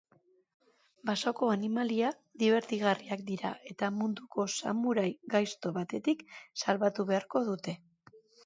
Basoko animalia dibertigarriak dira eta mundua samurai gaizto batetik salbatu beharko dute.